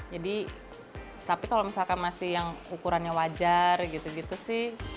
jadi tapi kalau misalkan masih yang ukurannya wajar gitu gitu sih